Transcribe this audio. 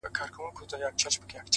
مثبت فکر د ژوند رنګ روښانوي!.